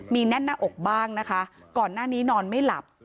มีแน่นหน้าอกบ้างนะคะก่อนหน้านี้นอนไม่หลับ